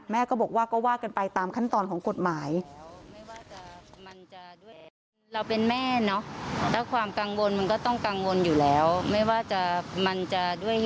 แม่ก็บอกว่าก็ว่ากันไปตามขั้นตอนของกฎหมาย